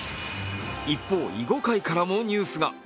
一方、囲碁界からもニュースが。